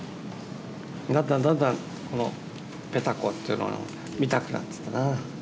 だんだんだんだんこのペタコっていうのが見たくなってたなあ。